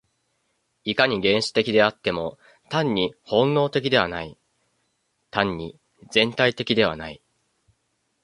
いかに原始的であっても、単に本能的ではない、単に全体的ではない。